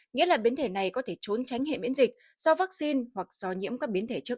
nghĩa là biến thể này có thể trốn tránh hệ miễn dịch do vaccine hoặc do nhiễm các biến thể trước